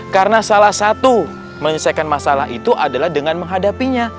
karena salah satu menyelesaikan masalah itu adalah dengan menghadapinya